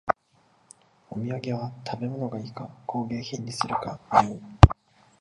お土産は食べ物がいいか工芸品にするか迷う